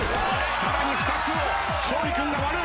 さらに２つを勝利君が割る。